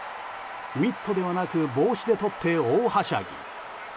ミットではなく帽子でとって大はしゃぎ。